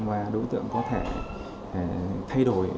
và đối tượng có thể thay đổi